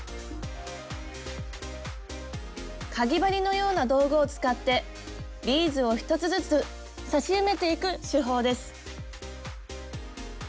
かぎ針のような道具を使ってビーズを１つずつ刺し埋めていく手法です。